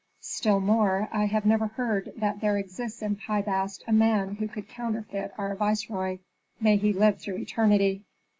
Still more, I have never heard that there exists in Pi Bast a man who could counterfeit our viceroy, may he live through eternity!"